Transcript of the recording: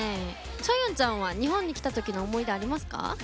ジョンヨンちゃんは日本に来たときの思い出ありますか？